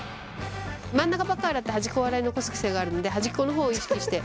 真ん中ばっかり洗って端っこを洗い残す癖があるんで端っこの方を意識して。